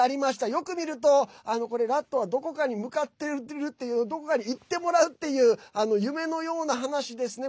よく見るとラットはどこかに向かっているっていうどこかに行ってもらうっていう夢のような話ですね。